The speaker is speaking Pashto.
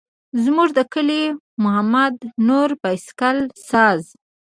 زموږ د کلي محمد نور بایسکل ساز.